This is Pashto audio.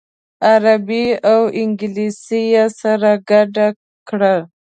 عربي او انګلیسي یې سره ګډه کړه.